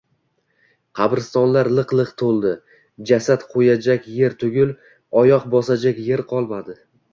Qabristonlar liq-liq to‘ldi. Jasad qo‘yajak yer tugul, oyoq bosajak yer qolmadi.